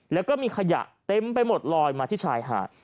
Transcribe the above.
แล้วก็มีขยะเต็มไปหมดลอยมาที่ชายหาด